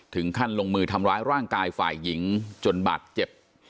ถึงขั้นลงมือทำร้ายร่างกายฝ่ายหญิงจนบาดเจ็บ